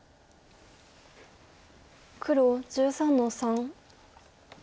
黒１３の三。